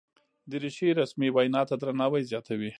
دریشي رسمي وینا ته درناوی زیاتوي.